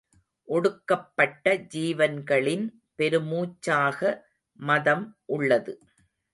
ஒடுக்கப்பட்ட ஜீவன்களின் பெருமூச்சாக மதம் உள்ளது.